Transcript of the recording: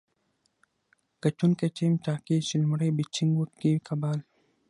ګټونکی ټیم ټاکي، چي لومړی بېټينګ وکي که بال.